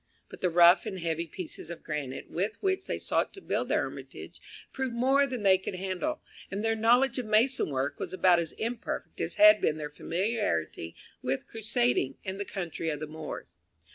But the rough and heavy pieces of granite with which they sought to build their hermitage proved more than they could handle, and their knowledge of mason work was about as imperfect as had been their familiarity with crusading and the country of the Moors.